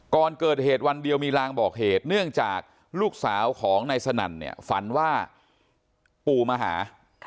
ก่อนเกิดเหตุวันเดียวมีลางบอกเหตุเนื่องจากลูกสาวของนายสนั่นเนี่ยฝันว่าปู่มาหา